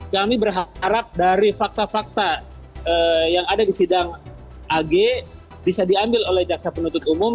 kami berharap dari fakta fakta yang ada di sidang ag bisa diambil oleh jaksa penuntut umum